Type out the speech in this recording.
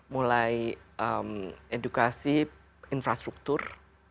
mulai edukasi infrastruktur